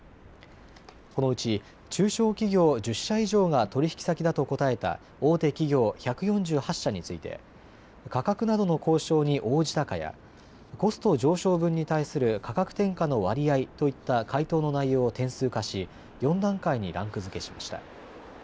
このうち中小企業１０社以上が取引先だと答えた大手企業１４８社について価格などの交渉に応じたかやコスト上昇分に対する価格転嫁の割合といった回答の内容を点数化し４段階にランク付けしました。